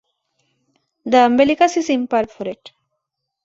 The umbilicus is imperforate.